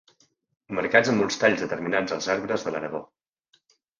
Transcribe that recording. Marcats amb uns talls determinats als arbres de l'Aragó.